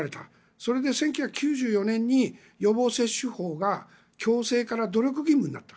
それで１９９４年に予防接種法が強制から努力義務になった。